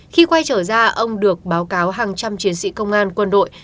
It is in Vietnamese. khi quay trở ra ông được báo cáo hàng trăm chiến sĩ công an quân đội